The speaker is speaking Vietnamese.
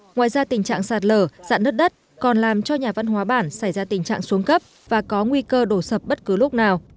ngoài ra tình trạng sạt lở dạ nứt đất còn làm cho nhà văn hóa bản xảy ra tình trạng xuống cấp và có nguy cơ đổ sập bất cứ lúc nào